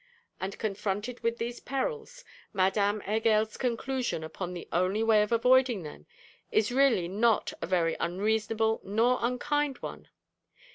And confronted with these perils, Madame Heger's conclusion upon the only way of avoiding them, is really not a very unreasonable nor unkind one.